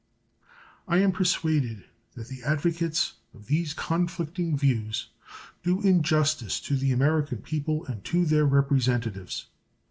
I am persuaded that the advocates of these conflicting views do injustice to the American people and to their representatives.